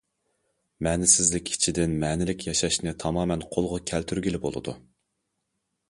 مەنىسىزلىك ئىچىدىن مەنىلىك ياشاشنى تامامەن قولغا كەلتۈرگىلى بولىدۇ.